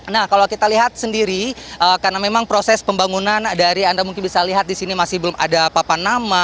nah kalau kita lihat sendiri karena memang proses pembangunan dari anda mungkin bisa lihat di sini masih belum ada papan nama